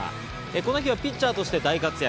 この日はピッチャーとして大活躍。